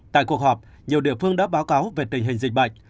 tại cuộc họp nhiều địa phương đã báo cáo về tình hình dịch bệnh